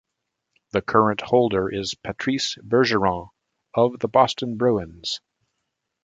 The current holder is Patrice Bergeron of the Boston Bruins.